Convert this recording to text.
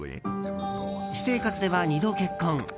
私生活では２度結婚。